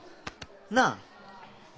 なあ。